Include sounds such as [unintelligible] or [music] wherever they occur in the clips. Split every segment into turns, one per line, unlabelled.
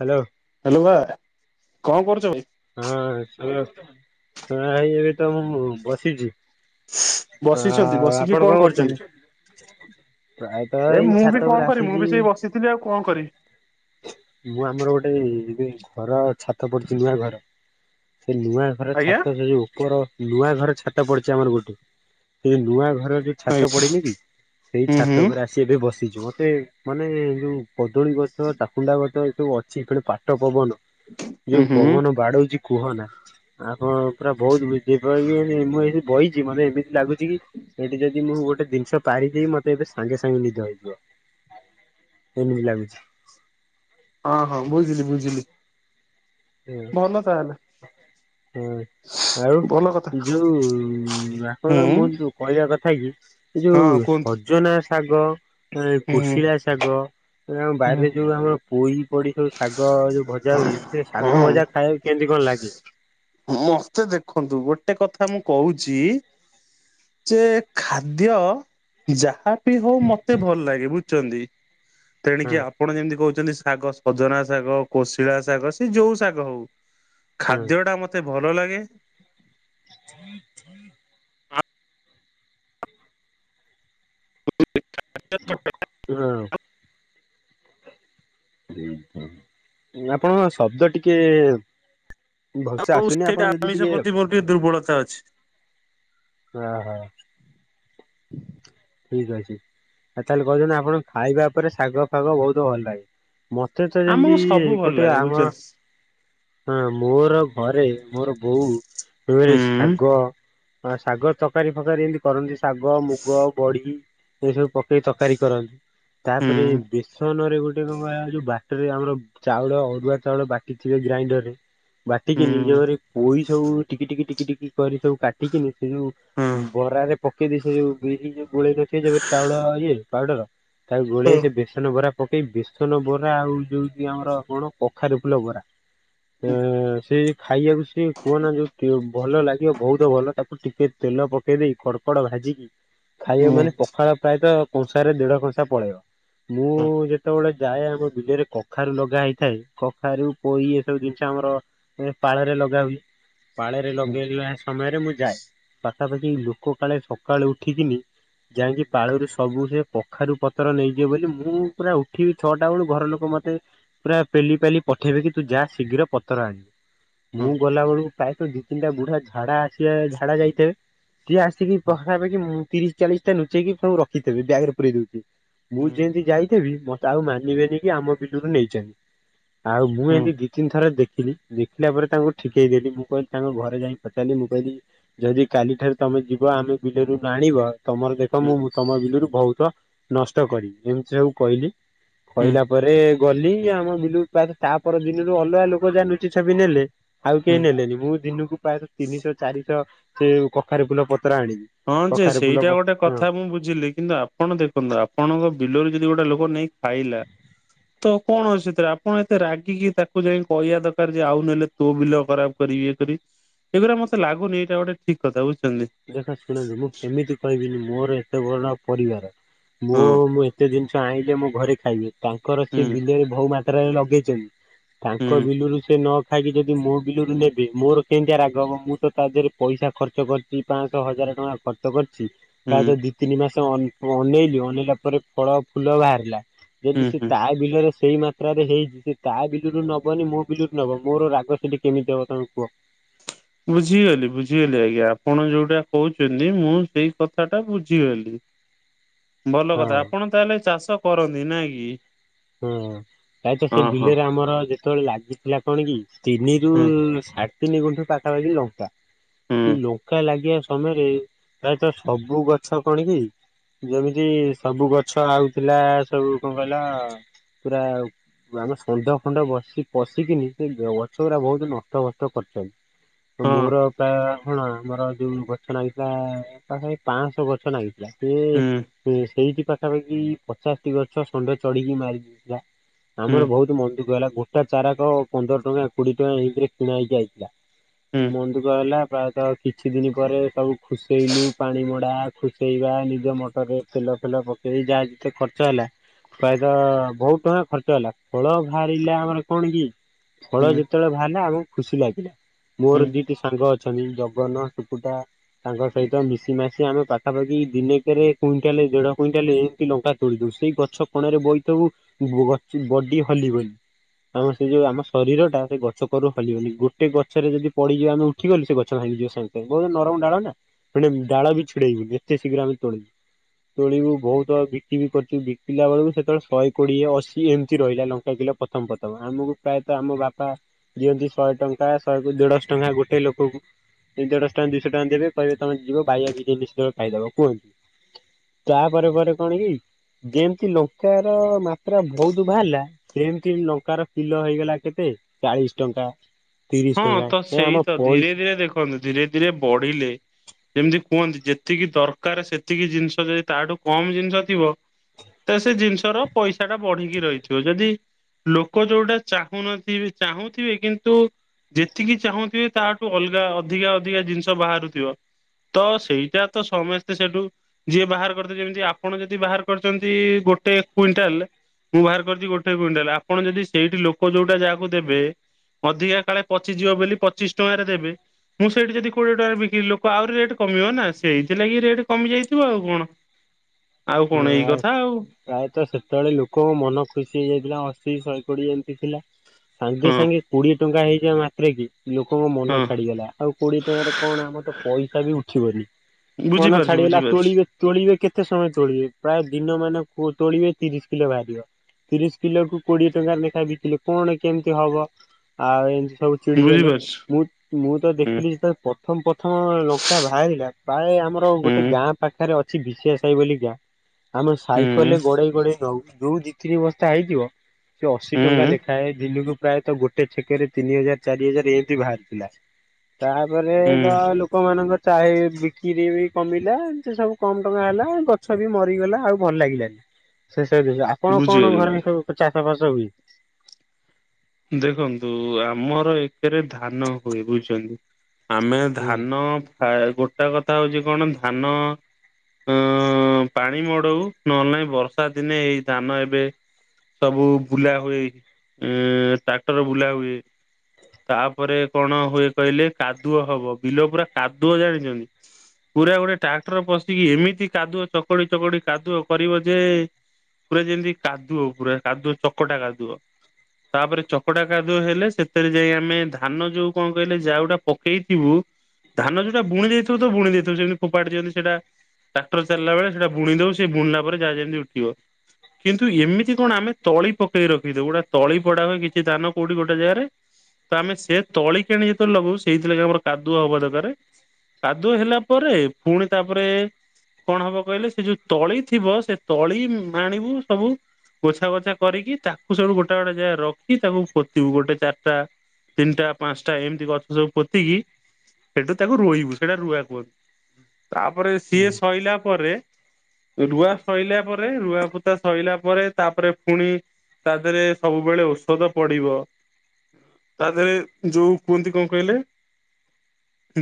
Hello.
Hello ଭା କଣ କରୁଛ ଭାଇ?
ହ [unintelligible] ବସିଛୁ। ହ ଆପଣ କଣ କରୁଛନ୍ତି? ପ୍ରାୟତ ଏଇ ଛାତ ଉପରେ ଆସିଛି।
ଥିଲି ଆଉ କଣ କରିବି?
ମୁଁ ଆମର ଗୋଟେଏଇ ଏବେ ଘର ଛାତ ପଡିୁଛି ନୂଆ ଘର ସେ ନୂଆ ଘରେ
ଆଜ୍ଞା।
ଛାତ ସେ ଯୋଉ ଉପର ନୂଆ ଘରେ ଛାତ ପଡିଛି ଆମର ଗୋଟେ ସେ ନୂଆ ଘର ଯୋଉ ଛାତ ପଡିନି କି ସେଇ
ହୁଁ ହୁଁ
ଛାତ ଉପରେ ଆସି ସେ ଏବେ ବସିଚୁ ମତେ ମାନେ ଯୋଉ କଦଳୀ ଗଛ ତା କୁଣ୍ଡା ଗଛ ଏ ସବୁ ଅଛି ଫୁଣି ପାଟ ପବନ
ହୁଁ
ଯୋଉ
ହୁଁ
ପବନ ବାଡ଼ଉଚି କୁହନା। ଆପଣ ପୁରା ବହୁତ ଭିଜିପାଇଲିଣି ମୁଁ ଏଠି ବଇଚି ମତେ ଏମିତି ଲାଗୁଚି କି ଏଇଠି ଯଦି ମୁଁ ଗୋଟେ ଦିନିଷ ପାରିଦେବି ମତେ ଏବେ ସାଙ୍ଗେ ସାଙ୍ଗେ ନିଦ ହେଇଯିବ। ଏମିତି ଲାଗୁଛି।
ହଁ ହଁ ବୁଝିଲି ବୁଝିଲି। ଭଲ ତାହେଲେ।
ହୁଁ ଆଉ
ଭଲ କଥା।
ଯୋଉ
ହୁଁ
ଆପଣ ମୋ ଯୋ କହିବା କଥା କି ଏ
ହଁ
ଯୋଉ
କୁହନ୍ତୁ
ସଜନା ଶାଗ ଏ
ହୁଁ
କୋଶିଳା ଶାଗ ଏରା ଆମ
ହୁଁ
ବାରିରେ ଯୋଉ ଆମର ପୋଇ ପଡ଼ି ସବୁ ଶାଗ ଯୋଉ ଭଜା ହୁଏ ଏତେ ଶାଗ
ହଁ।
ଭଜା ଖାଇବାକୁ କେମିତି କଣ ଲାଗେ?
ଉଁ ମତେ ଦେଖନ୍ତୁ ଗୋଟେ କଥା ମୁଁ କହୁଚି ଯେ ଖାଦ୍ୟ ଯାହା ବି ହଉ ମତେ ଭଲ ଲାଗେ ବୁଝୁଚନ୍ତି?
ହଁ
ତେଣିକି ଆ ଆପଣ ଯେମିତି କହୁଚନ୍ତି ଶାଗ ସଜନା ଶାଗ କୋଶିଳା ଶାଗ ସେ ଯୋଉ ଶାଗ ହଉ
ହଁ
ଖାଦ୍ୟଟା ମତେ ଭଲ ଲାଗେ।
ଠିକ ିକ [inaudible] ହଁ
[inaudible]
ଆପଣଙ୍କ ଶବ୍ଦ ଟିକେ ଭଲସେ
ହଉ
ଆସୁନି
ସେଇଟା
ଆପଣ ଯଦି
ଆମିଷ
ଟିକେ
ପ୍ରତି ମୋର ଟିକେ ଦୁର୍ବଳତା ଅଛି।
ଠିକ୍ ଅଛି ଆଉ ତାଲେ କହୁଚନ୍ତି ଆପଣ ଖାଇବା ଓପରେ ଶାଗ ଫାଗ ବହୁତ ଭଲ ଲାଗେ। ମତେ ତ
ଆମକୁ
ଯେମିତି
ସବୁ ଭଲ
ଏପଟେ
ଲାଗେ
ଆମର
ବୁଝୁଛନ୍ତି।
ହଁ ମୋର ଘରେ ମୋର ବୋଉ ଟୁଏରେ
ହୁଁ
ଶାଗ ହଁ ଶାଗ ତକାରୀ ଫକାରୀ ଏମିତି କରନ୍ତି ଶାଗ ମୁଗ ପିଗି ଏ ସବୁ ପକେଇ ତକାରୀ କରନ୍ତି।
ହୁଁ
ତାପରେ ବେସନରେ ଗୋ ଏ କଁ କ ଆ ଯୋଉ ବାଟରେ ଆମର ଚାଉଳ ଅରୁଆ ଚାଉଳ ବାଟିଥିବେ ଗ୍ରାଇଣ୍ଡରରେ।
ହୁଁ
ବାଟିକି ନିଜ ଘରେ ପୋଇ ସବୁ ଟିକି ଟିକି ଟିକି ଟିକି କରି ସବୁ କାଟିକିନି ସେ
ହଁ
ଯୋଉ ବରାରେ ପକେଇଦେଇ ସେ ଯୋଉ ବିରି ଯୋଉ ଗୋଳେଇ ନଥିବେ ଯେ ଟଚାଉଳ ଇଏ ପାଉଡ଼ର ତାକୁ
ହଁ
ଗୋଳେଇ ସେ ବେସନ ଭରା ପକେଇ ବେସନ ବରା ଆଉ ଯୋଉ ଆମର କଣ କଖାରୁ ଫୁଲ ବରା। ସେ
ହୁଁ
ସେ ଖାଇଆକୁ ସିଏ କୁହନା ଯୋଉ କି ଭଲ ଲାଗିବ ବୋହୁତ ଭଲ ତାକୁ ଟିକେ ତେଲ ପକେଇ ଦେଇ କଡ଼ କଡ଼ ଭାଜିକି ଖାଇବ
ହୁଁ
ମାନେ ପଖାଳ ପ୍ରାୟତଃ କଂସାରେ ଦେଢ଼ କଂସା ପଳେଇବ ମୁଁ
ହୁଁ
ଯେତୋଳେ ଯାଏ ଆମ ବିଲରେ କଖାରୁ ଲଗା ହେଇଥାଏ କଖାରୁ ପୋଇ ଏ ସବୁ ଜିନିଷ ଆମର ଏ ପାଳରେ ଲାଗାହୁଏ। ପାଳେରେ
ହଁ ହଁ
ଲଗେଇଲା ସମୟରେ ମୁଁ ଯାଏ ପାଖାପାଖି ଲୋକ କାଳେ ସକାଳୁ ଉଠିକିନି ଯାଇଁକି ପାଳରୁ ସବୁ ସେ ପଖାରୁ ପତର ନେଇଯିବ ବୋଲି ମୁଁ ପୁରା ଉଠିବି ଛଅଟା ବେଳୁ ଘର ଲୋକ ମତେ ପୁରା ପେଲି ପାଲି ପଠେଇବେ କି ତୁ ଯା ଶୀଘ୍ର ପତର ଆଣିବୁ। ମୁଁ ଗଲା ବଳୁ ପ୍ରାୟତଃ ଦି ତିନିଟା ବୁଢ଼ା ଝାଡ଼ା ଆସିବା ଝାଡ଼ା ଯାଇଥେବେ। ସିଏ ଆସିକି ପଖାପାଖି ମୁଁ ତିରିଶ ଚାଳିଶଟା ନୁଚେଇକି ସବୁ ରଖିଥିବେ ବ୍ୟାଗ୍ ରେ ପୁରେଇ ଦଉଚି। ମୁଁ
ହୁଁ
ଯେଇଁତି ଯାଇଥିବି ମତେ ଆଉ ମାନିବେନି କି ଆମ ବିଲୁରୁ ନେଇଚନ୍ତି। ଆଉ ମୁଁ
ହୁଁ
ଏନ୍ତି ଦି ତିନି ଥର ଦେଖିଲି। ଦେଖିଲା ପରେ ତାଙ୍କୁ ଠିକେଇଦେଲି ମୁଁ କହିଲି ତାଙ୍କ ଘରେ ଯାଇଁ ପଚାରିଲି ମୁଁ କହିଲି ଯଦି କାଲି ଠାରୁ ତମେ ଯିବ ଆମେ ବିଲରୁ ନଆଁ ଣିବ ତମର ଦେଖ
ହୁଁ
ମୁଁ ତମ ବିଲରୁ ଭଉତ ନଷ୍ଟ କରିବି ଏମିତି ସବୁ କହିଲି। କହିଲା
ହୁଁ।
ପରେ ଗଲି ଆମ ବିଲୁ ତାପର ଦିନରୁ ଅଲଗା ଲୋକ ଯା ଲୁଚି ଛପି ନେଲେ ଆଉ କେହି ନେଲେନି ମୁଁ ଦିନକୁ ପ୍ରାୟଃ ତିନିଶହ ଚାରିଶହ ସେ ଯୋଉ କଖାରୁ ଫୁଲ ପତ୍ର ଆଣିବି
ହଁ ଯେ
କଖାରୁ ଫୁଲ
ସେଇଟା
ପ
ଗୋଟେ
ହଁ
କଥା ମୁଁ ବୁଝିଲି କିନ୍ତୁ ଆପଣ ଦେଖନ୍ତୁ ଆପଣଙ୍କ ବିଲରୁ ଯଦି ଗୋଟେ ଲୋକ ନେଇ ଖାଇଲା ତ କଣ ଅସୁବିଧା ଆପଣ ଏତେ ରାଗିକି ତାକୁ ଯାଇ କହିବା ଦରକାର ଯେ ଆଉ ନେଲେ ତୋ ବିଲ ଖରାପ କରିବି ଇଏ କରିବି ଏଗୁରା ମତେ ଲାଗୁନି ଏଇଟା ଗୋଟେ ଠିକ କଥା ବୁଝୁଛନ୍ତି
ଦେଖ ଶୁଣନ୍ତୁ ମୁଁ କେମିତି କହିବିନି ମୋର ଏତେ ବଡ ପରିବାର ମୋ
ହୁଁ
ମୁଁ ଏତେ ଜିନିଷ ଆଣିଲେ ମୁଁ ଘରେ ଖାଇବି ତାଙ୍କର
ହୁଁ
ସେ ବିଲରେ ବହୁ ମାତ୍ରାରେ ଲଗେଇଛନ୍ତି ତାଙ୍କ
ହୁଁ
ବିଲୁରୁ ସେ ନ ଖାଇକି ଯଦି ମୋ ବିଲରୁ ନେବେ ମୋର କେମିତିଆ ରାଗହବ ମୁଁ ତ ତା ଦେହରେ ପଇସା ଖର୍ଚ୍ଚ କରିି ଚି ପାଞ୍ଚଶହ ହଜାର ଟଙ୍କା ଖର୍ଚ୍ଚ କରିଛି
ହୁଁ
ପ୍ରାୟତଃ ଦ ତିନି ମାସ ଅନେ ଅନେଇଲି, ଅନେଇଲା ପରେ ଫଳ ଫୁଲ ବାହାରିଲା
ହୁଁ
ଯଦି ସେ
ହୁଁ।
ତା ବିଲରେ ସେଇ ମାତ୍ରାରେ ହେଇଛି, ସେ ତା ବିଲରୁ ନବନି ମୋ ବିଲୁରୁ ନବ ମୋର ରାଗ ସେଠି କେମିତି ହବ ତମେ କୁହ
ବୁଝିଗଲି ବୁଝିଗଲି ଆଜ୍ଞା ଆପଣ ଯୋଉଟା କହୁଛନ୍ତି ମୁଁ ସେଇ କଥା ଟା ବୁଝିଗଲି। ଭଲ
ହଁ।
କଥା ଆପଣ ତାହେଲେ ଚାଷ କରନ୍ତି ନାଁ କି?
ହଁ! ପ୍ରାୟତଃ, ସେ
ହଁ ହଁ
ବିଲରେ ଆମର ଯେତେବେଳେ ଲାଗିଥିଲା କଣ କି ତିନିରୁ
ହୁଁ
ସା ତିନି ଗୁଣ୍ଠୁ ପାଖାପାଖି ଲଙ୍କା
ହୁଁ
ସେ ଲଙ୍କା ଲାଗିବା ତମେରେ ପ୍ରାୟତଃ ସବୁ ଗଛ କଣ କି ଯେମିତି ସବୁ ଗଛ ଆଉଥିଲା, ସବୁ କଣ କହିଲ ପୁରା ଆମ ଷେଣ୍ଢ ଫେଣ୍ଡ ବସି ପଶିକିନି ସେ ଗଛ ଗୁଡା ବହୁତ ନଷ୍ଟ ଫଷ୍ଟ କରିଛନ୍ତି। ତ
ହଁ
ମୋର ପ୍ରାୟ ହଣ ଆମର ଯୋଉ ଗଛ ନାଗିଥିଲା ପାଖା ପାଖି ପାଞ୍ଚଶହ ଗଛ ଲାଗିଥିଲା। ସେ
ହୁଁ
ହୁ ସେଇଠି ପାଖାପାଖି ପଚାଶଟି ଗଛ ଷେଣ୍ଢ ଚଢିକି ମାରି ଦେଇଥିଲା। ଆମର
ହୁଁ
ବହୁତ ମନ ଦୁଃଖ ହେଲା ଗୋଟା ଚାରାକ ପନ୍ଦର ଟଙ୍କା କୋଡିଏ ଟଙ୍କା ଏମିତିରେ କିଣା ହେଇକି ଆଇଥିଲା।
ହୁଁ
ମନଦୁଃଖ ହେଲା, ପ୍ରାୟତଃ କିଛି ଦିନି ପରେ ସବୁ ଖୁସେଇଲୁ ପାଣି ମଡ଼ା ହେଲା। ଖୁସେଇବା, ନିଜ ମଟରରେ ତେଲ ଫେଲ ପକେଇ ଯାହା ଯେତେ ଖର୍ଚ୍ଚ ହେଲା ପ୍ରାୟତଃ ବହୁତ ଟଙ୍କା ଖର୍ଚ୍ଚ ହେଲା, ଫଳ ବାହାରିଲା ଆମର କଣ କି ଫଳ
ହୁଁ
ଯେତେବେଳେ ବାହାରିଲା ଆମକୁ ଖୁସି ଲାଗିଲା।
ହୁଁ
ମୋର ଦି ଟା ସାଙ୍ଗ ଅଛନ୍ତି, ଜଗନ, ଶୁକୁଟା ତାଙ୍କ ସହିତ ମିଶି ମାଶି ଆମେ ପାଖାପାଖି ଦିନେକରେ କୁଇଣ୍ଟାଲ, ଦେଢ କୁଇଣ୍ଟାଲ ଏମିତି ଲଙ୍କା ତୋଳି ଦଉଚୁ ସେଇ ଗଛ କଣରେ ବଇଥିବୁ ବୁ -ବଡି ହଲିବନି। ଆମ ସେ ଯୋଉ ଆମ ଶରୀର ଟା ସେ ଗଛ କଡରୁ ହଲିବନି, ଗୋଟେ ଗଛରେ ଯଦି ପଡିଯିବ ଆମେ [unintelligible] ସେ ଗଛ ଭାଙ୍ଗି ଯିବ ସାଙ୍ଗେ ବହୁତ ନରମ ଡାଳ ନା, ପୁଣି ଡାଳ ବି ଛିଡ଼େଇବିନି ଏତେ ଶୀଘ୍ର ଆମେ ତୋଳି ବୁ। ତୋଳିବୁ ବହୁତ ବିକ୍ରିବି କରୁଛୁ ବିକିଲା ବେଳକୁ ସେତେବେଲ କୋଡିଏ, ଅଶି, ଏମିତି ରହିଲା ଲଙ୍କା କିଲୋ ପ୍ରଥମ ପ୍ରଥମ ଆମକୁ ପ୍ରାୟତଃ ଆମ ବାପା ଦିଅନ୍ତି, ଶହେ ଟଙ୍କା, ଶହେ କ ଦେଢଶହ ଟଙ୍କା ଗୋଟେ ଲୋକକୁ। ସେଇ ଦେଢ଼ଶହ ଟଙ୍କା, ଦୁଇଶହ ଟଙ୍କା ଦେବେ କହିବେ ତୁମେ ଯିବ ବାୟା ବିରିଆନି ସେତେବେଳ ଖାଇଦବ କୁହନ୍ତି। ତା ପରେ ପରେ କଣ କି ଯେମିତି ଲଙ୍କାର ମାତ୍ରା ବହୁତ ବାହାରିଲା, ସେମିତି ଲଙ୍କାର ପିଲ ହେଇଗଲା କେତେ, ଚାଳିଶ ଟଙ୍କା ତିରିଶ
ହଁ
ଟଙ୍କା
ତ!
ଏ
ସେଇ
ଆମ
ତ ଧୀରେ
ପଇସା
ଧୀରେ ଦେଖନ୍ତୁ ଧୀରେ ଧୀରେ ବଢିଲେ, ଯେମିତି କୁହନ୍ତି ଯେତିକି ଦରକାର ସେତିକି ଜିନିଷ ଯଦି ତାଠୁ କମ ଜିନିଷ ଥିବ, ତ ସେ ଜିନିଷର ପଇସା ଟା ବଢିକି ରହିଥିବ। ଯଦି ଲୋକ ଯୋଉଟା ଚାହୁଁନଥିବେ, ଚାହୁଁଥିବେ କିନ୍ତୁ ଯେତିକି ଚାହୁଁଥିବେ ତାହାଠୁ ଅଲଗା ଅଧିକା ଅଧିକା ଜିନିଷ ବାହାରୁଥିବ। ତ ସେଇଟା ତ ସମେସ୍ତେ ସେଟୁ ଯିଏ ବାହାର କରିଥିବ ଯେମିତି ଆପଣ ଯଦି ବାହାର କରିଚନ୍ତି ଗୋଟେ କୁଇଣ୍ଟାଲ ମୁଁ ବାହାର କରିଚି ଗୋଟେ କୁଇଣ୍ଟାଲ ଆପଣ ଯଦି ସେଇଠି ଲୋକ ଯୋଉଟା ଯାହାକୁ ଦେବେ ଅଧିକା କାଳେ ପଚି ଯିବ ବୋଲି ପଚିଶ ଟଙ୍କାରେ ଦେବେ ମୁଁ ସେଇଠି ଯଦି କୋଡିଏ ଟଙ୍କାରେ ବିକିଲି ଲୋକ ଆଉରି ରେଟ୍ କମିବ ନା ସେଇଥିଲାଗି ରେଟ୍ କମି ଯାଇଥିବ ଆଉ କଣ। ଆଉ କଣ ଏଇ କଥା ଆଉ।
ପ୍ରାୟତଃ ସେତେବେଳେ ଲୋକଙ୍କ ମନ ଖୁସି ହେଇଯାଇଥିଲା ଅଶି ଶହେ କୋଡିଏ ଏମିତି ଥିଲା। ସାଙ୍ଗେ
ହଁ
ସାଙ୍ଗେ କୋଡିଏ ଟଙ୍କା ହେଇଯିବା ମାତ୍ରେକେ ଲୋକଙ୍କ ମନ
ହଁ।
ଛାଡିଗଲା ଆଉ କୋଡିଏ ଟଙ୍କାରେ କଣ ଆମର ତ ପଇସା ବି ଉଠିବନି। ମନ
ବୁଝିପାରୁଛି
ଛାଡ଼ିଗଲା ଆଉ ତୋଳିବେ
ବୁଝିପାରୁଛି
ତୋଳିବେ କେତେ ସମୟ? ତୋଳିବେ ପ୍ରାୟ ଦିନ ମାନ କୋ ତୋଳିବେ ତିରିଶି କିଲେ ବାହାରିବ। ତିରିଶ କିଲକୁ କୋଡିଏ ଟଙ୍କା ରେ ନେଖାଏ ବିକିଲେ କଣ କେମିତି ହବ ଆଉ ଏମତି ସବୁ ଚିଡ଼ିଗଲେ
ବୁଝିପାରୁଛି
ମୁଁ ମୁଁ ତ
ହୁଁ
ଦେଖିଲି ଯେତେବେଳେ ପ୍ରଥମ ପ୍ରଥମ ଲଙ୍କା ବାହାରିଲା ପ୍ରାୟେ ଆମର ଗୋଟେ
ହୁଁ
ଗାଁ ପାଖେରେ ଅଛି ବିଷିଆ ସାହି ବୋଲି ଗାଁ ଆମେ
ହୁଁ
ସାଇକଲ୍ ରେ ଗଡେଇ ଗଡେଇ ନଉ ଯୋଉ ଦି ତିନି ବସ୍ତା ହେଇଯିବ ସେ ଅଶି ଟଙ୍କା
ହୁଁ
ଲେଖାଏ ଦିନକୁ ପ୍ରାୟତଃ ଗୋ ଗୋଟେ ଛେକେରେ ତିନି ହଜାର ଚାରି ହଜାର ଏମତି ବାହାରିଥିଲା ତାପରେ ତ
ହୁଁ
ଲୋ କମାନଙ୍କ ଚାହି ବିକ୍ରି ବି କମିଲା ସେ ସବୁ କମ ଟଙ୍କା ହେଲା ଗ ଛ ବି ମରିଗଲା ଆଉ ଭଲ ଲାଗିଲାନି ଶେଷରେ ଆପଣ କଣ
ବୁଝିଗଲି
ଘରେ
ବୁଝିଗଲି
ସବୁ ଚାଷ ବାସ ହୁଏ?
ଦେଖନ୍ତୁ ଆମର ଏକେରେ ଧାନ ହୁଏ ରୁଇଁଚନ୍ତି। ଆମେ
ହୁଁ
ଧାନ ଫା ଗୋଟା କଥା ହଉଚି କଣ ଧାନ ଅ ପାଣି ମଡଉ ନହେଲେ ନାଇଁ ବର୍ଷା ଦିନେ ଏଇ ଧାନ ଏବେ ସବୁ ବୁଲା ହୁଏ ଏଁ ଟ୍ରାକ୍ଟର ବୁଲା ହୁଏ। ତାପରେ କଣ ହୁଏ କହିଲେ କାଦୁଅ ହବ ବିଲ ପୁରା କାଦୁଅ ଜାଣିଚନ୍ତି? ପୁରା ଗୋଟେ ଟ୍ରାକ୍ଟର ପଶିକି ଏମିତି କାଦୁଅ ଚକଡି ଚକଡି କାଦୁଅ କରିବ ଯେ ପୁରା ଯେମତି କାଦୁଅ ପୁରା କାଦୁଅ ଚକଟା କାଦୁଅ ତାପରେ ଚକଟା କାଦୁଅ ହେଲେ ସେଥେରେ ଯାଇ ଆମେ ଧାନ ଯୋଉ କଣ କହିଲେ ଯାଉଟା ପକେଇଥିବୁ ଧାନ ଯୋଉଟା ବୁଣି ଦେଇଥବୁ ତ ବୁଣି ଦେଇଥବୁ ସେମତି ଫୋପାଡ଼ି ଦିଅନ୍ତି ସେଟା ଟ୍ରାକ୍ଟର ଚାଲିଲା ବେଳେ ସେଟା ବୁଣି ଦଉ ସେ ବୁଣିଲା ପରେ ଯାହା ଯେମତି ଉଠିବ। କିନ୍ତୁ ଏମିତି କଣ ଆମେ ତଳି ପକେଇ ରଖି ଦଉ ଗୁଟା ତଳି ପଡା ହୁଏ କି ଏ ଧାନ କୋଉଠି ଗୋଟେ ଜାଗାରେ। ତ ଆମେ ସେ ତଳିକି ଆଣି ଯେତେବେଳେ ଲଗଉ ସେଇଥିଲାଗି ଆମର କାଦୁଆ ହବା ଦକାରେ। କାଦୁଅ ହେଲା ପରେ ପୁଣି ତାପରେ କଣ ହବ କହିଲେ ସେ ଯୋଉ ତଳି ଥିବ ସେ ତଳି ଉଁ ଆଣିବୁ ସବୁ ଗୋଛା ଗୋଛା କରିକି ତାକୁ ସବୁ ଗୋଟା ଗୋଟା ଜାଗାରେ ର କି ତାକୁ ପୋତିିବୁ ଗୋଟେ ଚାରଟା ତିନିଟା ପାଞ୍ଚଟା ଏମତି ଗଛ ସବୁ ପୋତିକି ସେଠୁ ତାକୁ ରୁଇବୁ ସେଇଟା ରୁଆ କୁହନ୍ତି ତାପରେ ସିଏ ସଇଲା ପରେ ରୁଆ ସଇଲା ପରେ ରୁଆ ପୋତା ସଇଲା ପରେ ତାପରେ ପୁଣି ତା ଧେରେ ସବୁବେଳେ ଓଷ ଦ ପଡିବ ତା ଧେରେ ଯୋଉ କୁହନ୍ତି କଣ କହିଲେ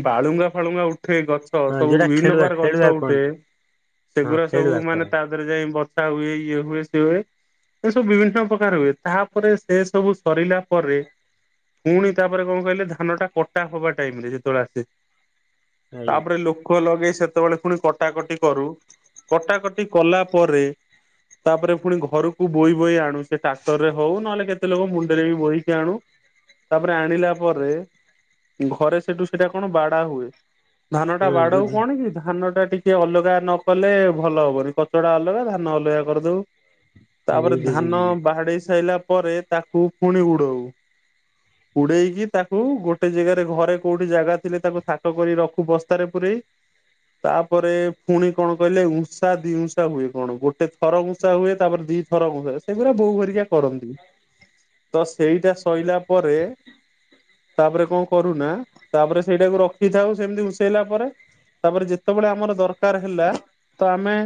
ବାଳୁଙ୍ଗା ଫାଳୁଙ୍ଗା ଉଠେ ଗ ଛ
ହଁ
ସବୁ
ଯୋଉଟା
ବିଭିନ୍ନ
ଖେଳୁଆ
ପ୍ରକାର
ଖେଳୁଆ
ଗଛ ଉଠେ
କୁହନ୍ତି ହଁ
ସେଗୁରା ସବୁ
ଖେଳୁଆ
ମାନେ
କର।
ତା ଧେରେ ଯାଇ ବଛା ହୁଏ ଇଏ ହୁଏ ସିଏ ହୁଏ ଏସବୁ ବିଭିନ୍ନ ପ୍ରକାର ହୁଏ ତାପରେ ଏସବୁ ସରିଲା ପରେ ଫୁଣି ତାପରେ କଣ କହିଲେ ଧାନଟା କଟା ହବା ଟାଇମରେ ଯେତେବେଳେ ଆସେ।
ଆଜ୍ଞା
ତାପରେ ଲୋ କ ଲଗେଇ ସେତେବେଳେ ପୁଣି କଟାକଟି କରୁ। କଟାକଟି କଲାପରେ ତାପରେ ପୁଣି ଘରକୁ ବୋଇ ବୋଇ ଆଣୁ। ସେ ଟ୍ରାକ୍ଟରରେ ହଉ ନହେଲେ କେ କେତେ ଲୋକ ମୁଣ୍ଡରେ ବି ବୋହିକି ଆଣୁ। ତାପରେ ଆଣିଲା ପରେ ଘରେ ସେଠୁ ସେଟା କଣ ବାଡା ହୁଏ। ଧାନଟା
ହଁ
ବାଡଉ
ବୁଝି
କଣ କି ଧାନଟା ଟି କେ ଅଲଗା ନକଲେ ଭଲ ହବନି। କଚଡ଼ା ଅଲଗା ଧାନ ଅଲଗା କରିଦଉ। ତାପରେ
ବୁଝିଲି
ଧାନ
ବୁଝିଲି।
ବାଡେଇ ସାଇଲା ପରେ ତାକୁ ପୁଣି ଉଡଉ। ଉଡେଇକି ତାକୁ ଗୋଟେ ଜେଗାରେ ଘରେ କୋଉଠି ଜାଗା ଥିଲେ ତାକୁ ଥାକ କରି ରଖୁ ବସ୍ତାରେ ପୁରେଇ। ତାପରେ ଫୁଣି କଣ କହିଲେ ଉଁଷା ଦି ଉଁଷା ହୁଏ କଣ ଗୋଟେ ଥର ଉଁଷା ହୁଏ ତାପରେ ଦି ଗରମ୍ ହୁଏ ସେଗୁଡ଼ା ବୋଉ ଭରିକା କରନ୍ତି। ତ ସେଇଟା ସଇଲା ପରେ ତାପରେ କଣ କରୁନା ତାପରେ ସେଇଟାକୁ ରଖିଥାଉ ସେମିତି ଉଁସେଇଲା ପରେ। ତାପରେ ଯେତେବେଳେ ଆମର ଦରକାର ହେଲା ତ ଆମେ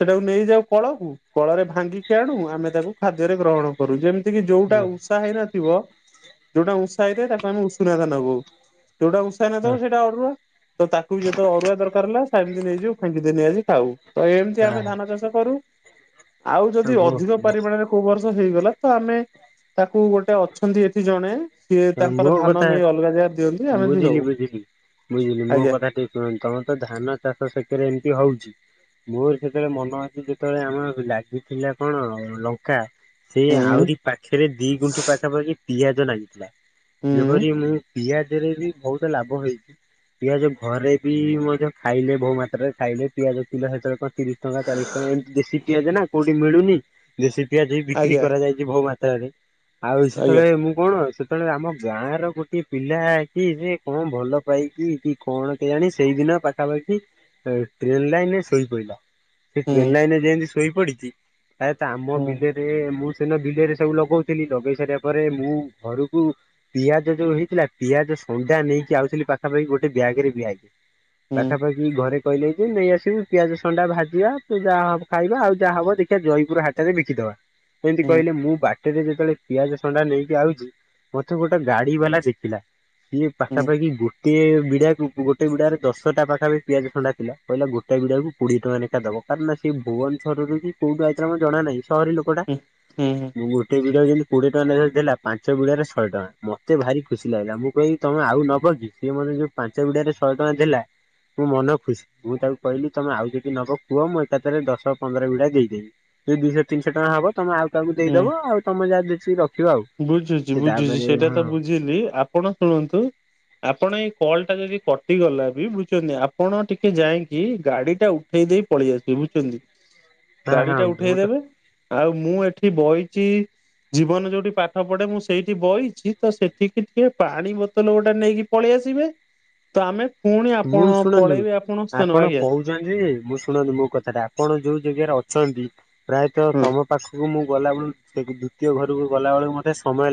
ସେଟାକୁ ନେଇଯାଉ କଳ କଳରେ ଭାଙ୍ଗିକି ଆଣୁ ଆମେ ତାକୁ ଖାଦ୍ୟରେ ଗ୍ରହଣ କରୁ ଯେମି ଯୋଉଟା ଉଁଷା ହେଇନଥିବ ଯୋଉଟା ଉଷା ହେଇଥଏ ତାକୁ ଆମେ ଉଷୁନା ଧାନ କହୁ। ଯୋଉଟା ଉଁସା ହେଉନଥବ ସେଇଟା ଅରୁଆ। ତ ତାକୁ ବି ଯେତେବେଳେ ଅରୁଆ ଦରକାର ହେଲା ସେମିତି ନେଇଯିବୁ ଫେଣ୍ଟିଦେଇ ନେଇଆସିକି ଖାଉ। ତ ଏମିତି ଆମେ ଧାନ ଚାଷ କରୁ। ଆଉ ଯଦି
ମୋ ମୋ
ଅଧିକ ପାରିମାଣରେ କୋଉ ବର୍ଷ ହେଇଗଲା ତ ଆମେ ତାକୁ ଗୋଟେ ଅଛନ୍ତି ଏଠି ଜଣେ ସିଏ ତାଙ୍କର
ମୋ
ଧାନ
କଥା
ନେଇ ଅଲଗା ଜାଗରେ ଦିଅନ୍ତି ଆମେ ବି
ବୁଝିଲି
ଦଉ ଆଜ୍ଞା।
ଉଁ ତମେ ତ ଧାନ ଚାଷ ସେଥେରେ ଏମିତି ହଉଛି ମୋର ସେତେବେଳେ ମନ ଅଛି ଯେତେବେଳେ ଆମର ଲାଗିଥିଲା କଣ ଲଙ୍କା ସେ
ହୁଁ
ଆହୁରି ପାଖରେ ଦି ଫୁଟ ପାଖାପାଖି ପିଆଜ ଲାଗିଥାଏ।
ହୁଁ
ଯେପରି ମୁଁ ପିଆଜ ରେ ବି ବହୁତ ଲାଭ ହେଇଚି। ପିଆଜ ଘରେ ବି ମଧ୍ୟ ଖାଇଲେ ବହୁ ମାତ୍ରାରେ ଖାଇଲେ ପିଆଜ କିଲ ସେତେବେଳେ କଣ ତିରିଶ ଟଙ୍କା ଚାଳିଶ ଟଙ୍କା ଏମିତି ଦେଶୀ ପିଆଜ ନା କୋଉଠି ମିଳୁନି ଦେଶୀ ପିଆଜ ବି ବିକ୍ରି
ଆଜ୍ଞା
କରାଯାଇ ବୋହୁ ମାତ୍ରାରେ ଆଉ
ଆଜ୍ଞା
ସେତେବେଳେ ମୁଁ କଣ ସେ ତେଳେ ଆମ ଗାଁ ର ଗୋଟିଏ ପିଲା କି ସେ କଣ ଭଲ ପାଇକି କି କଣ କେଜାଣି ସେଇଦିନ ପାଖାପାଖି ଟ୍ରେନ ଲାଇନରେ ଶୋଇ ପଡ଼ିଲା। ସେ
ହୁଁ
ଟ୍ରେନ୍ ଲାଇନ ରେ ଯେମତି ଶୋଇ ପଡିଛି ପ୍ରାୟତ ଆମ
ହୁଁ
ବିଲରେ ମୁଁ ଦିନ ବିଲରେ ସବୁ ଲଗଉଥିଲି ଲଗେଇ ସାରିବା ପରେ ମୁଁ ଘରକୁ କୁ ପିଆଜ ଯୋଉ ହେଇଥିଲା ପିଆଜ ସଣ୍ଡା ନେଇକି ଆଉଥିଲି ପାଖାପାଖି ଗୋଟେ ବ୍ୟାଗ୍ ରେ ବ୍ୟାଗ
ହୁଁ
ପାଖାପାଖି ଘରେ କହିଲେ ଯେ ନେଇ ଆସିବୁ। ପିଆଜ ସଣ୍ଡା ଭାଜିବା ଯାଆ ହବ ଖାଇବା ଆଉ ଯାହା ହବ ଦେଖିବା ଜୟପୁର ହାଟରେ ବିକିଦବା। ଏମିତି
ହୁଁ
କଇଲେ ମୁଁ ବାଟରେ ଯେତେବେଳେ ପିଆଜ ସଣ୍ଡା ନେଇକି ଆଉଚ଼ି ମତେ ଗୋଟେ ଗାଡି ବାଲା ଦେଖିଲା ସିଏ
ହୁଁ
ପାଖାପାଖି ଗୋଟେ ବିଡାକୁ ଗୋ ଗୋଟେ ବିଡ଼ାରେ ଦଶଟା ପାଖା ପାଖି ପିଆଜ ଥଣ୍ଡା ଥିଲା ପହିଲା ଗୋଟେ ବିଡ଼ାକୁ କୋଡିଏ ଟଙ୍କା ଲେଖା ଦବ କାରଣ ସେ ଭୁବନସରରୁ ବି କୋଉଟୁ ଆଇଥିଲା ମତେ ଜଣା ନାଇ ସହରୀ ଲୋକଟା
ହୁଁ ହୁଁ ହୁଁ
ମୁଁ ଗୋଟେ ବିଡ଼ା ଯେମତି କୋଡିଏ ଟଙ୍କା ନେକା ଦେଲା ପାଞ୍ଚ ବିଡ଼ାରେ ଶହେ ଟଙ୍କା ମତେ ଭାରି ଖୁସି ଲାଗିଲା ମୁଁ କଇଲି ତମେ ଆଉ ନବ କି ସିଏ ମତେ ଯୋଉ ପାଞ୍ଚ ବିଡାର ଶହେ ଟଙ୍କା ଦେଲା ମୋ ମନ ଖୁସ୍ ମୁଁ ତାକୁ କଇଲି ତମେ ଆଉ ଯଦି ନବ କୁଅ ମୁଁ ଏକାଥରେ ଦଶ ପନ୍ଦର ବିଡ଼ ଦେଇଦେବି ଯେ ଦୁଶହ ତିନିଶହ ଟଙ୍କା ହବ ତମେ ଆଉ ତାକୁ
ହୁଁ
ଦେଇଦବ ଆଉ ତମେ ଯାହା ବେଶି ରଖିବ ଆଉ
ବୁଝୁଛି
ସେ
ବୁଝୁଛି
ତାପରେ
ସେଇଟା
ହଁ
ତ ବୁଝେନି ଆପଣ ଶୁଣନ୍ତୁ ଆପଣ ଏଇ କଲ୍ ଟା ଯଦି କଟିଗଲା ବି ବୁଝୁଛନ୍ତି ଆପଣ ଟିକେ ଯାଇକି ଗାଡି ଟା ଉଠେଇ ଦେଇ ପଳେଇ ଆସିବେ ବୁଝି ପାରୁଚ଼ନ୍ତି।
ହଁ
ଗାଡି
ହଁ
ଟା
ମୁଁ ତ
ଉଠେଇଦେବେ ଆଉ ମୁଁ ଏଠି ବଇଚି ଜୀବନ ଯୋଉଠି ପାଠ ପଢେ ମୁଁ ସେଇଠି ବଇଚି ତ ସେଠିକି ଟିକିଏ ପାଣି ବୋତଲ ଗୋଟେ ନେଇକି ପଳେଇ ଆସିବେ। ତ ଆମେ ପୁଣି ଆପଣ ପଳେଇବେ ଆପଣ ସ୍ଥାନ ଆଜ୍ଞା।
ଝୁଆନ୍ତି ମୁଁ ଶୁଣନ୍ତୁ ମୋ କଥାଟା ଆପଣ ଯୋଉ ଜେଗାରେ ଅଛନ୍ତି। ପ୍ରାୟତଃ
ହଁ।
ତମ ପାଖକୁ ମୁଁ ଗଲାବୁଳୁ ସେ ଦ୍ୱତୀୟ ଘରକୁ ଗଲାବୁଳୁକୁ ମତେ ସମୟ ଲାଗ